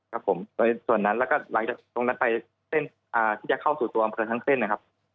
ครับผมในส่วนนั้นแล้วก็หลังจากตรงนั้นไปเส้นที่จะเข้าสู่ตัวอำเภอทั้งเส้นนะครับ